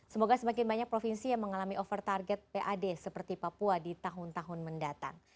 semoga semakin banyak provinsi yang mengalami over target pad seperti papua di tahun tahun mendatang